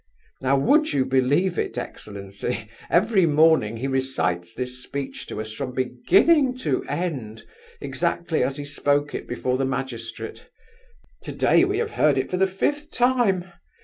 Now, would you believe it, excellency, every morning he recites this speech to us from beginning to end, exactly as he spoke it before the magistrate. To day we have heard it for the fifth time.